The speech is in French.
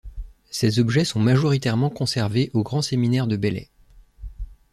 Ces objets sont majoritairement conservés au Grand Séminaire de Belley.